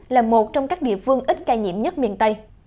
là một trong các địa phương ít ca nhiễm nhất miền tây